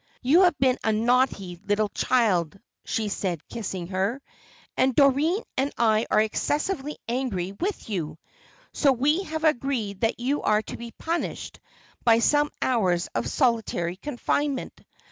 "You have been a naughty little child," she said, kissing her, "and Doreen and I are excessively angry with you; so we have agreed that you are to be punished by some hours of solitary confinement.